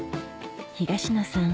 東野さん